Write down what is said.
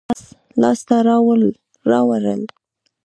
د درېواړو موخو لاسته راوړل